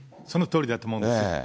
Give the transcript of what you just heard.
そのとおりだと思うんですよ。